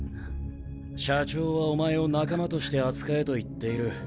社長はお前を仲間として扱えと言っている。